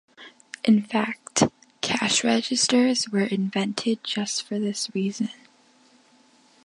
In fact, cash registers were invented just for this reason.